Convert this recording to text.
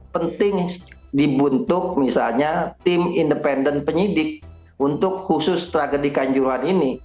penting dibentuk misalnya tim independen penyidik untuk khusus tragedi kanjuruhan ini